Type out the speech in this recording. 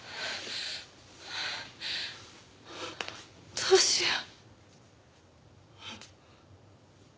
どうしよう。